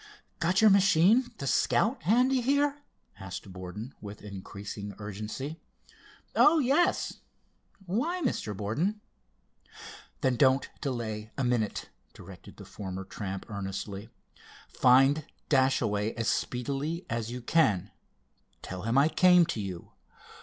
"Got your machine, the Scout, handy here?" asked Borden, with increasing urgency. "Oh, yes—why, Mr. Borden?" "Then don't delay a minute," directed the former tramp, earnestly. "Find Dashaway as speedily as you can. Tell him I came to you.